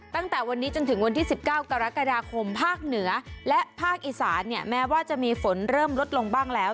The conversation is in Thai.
ตั้งแต่วันนี้จนถึงวันที่๑๙กรกฎาคมภาคเหนือและภาคอีสานเนี่ยแม้ว่าจะมีฝนเริ่มลดลงบ้างแล้ว